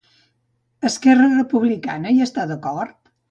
Esquerra Republicana hi està d'acord?